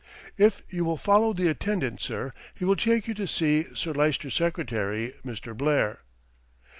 "If you will follow the attendant, sir, he will take you to see Sir Lyster's secretary, Mr. Blair."